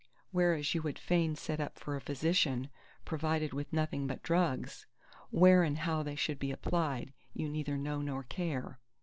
Whereas you would fain set up for a physician provided with nothing but drugs! Where and how they should be applied you neither know nor care.